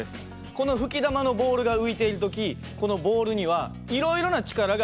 この吹き玉のボールが浮いている時このボールにはいろいろな力が働いています。